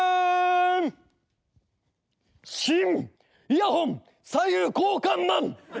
イヤホン左右交換マン！